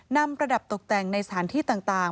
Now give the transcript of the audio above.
ประดับตกแต่งในสถานที่ต่าง